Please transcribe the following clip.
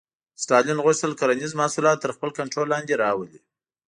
ستالین غوښتل کرنیز محصولات تر خپل کنټرول لاندې راولي.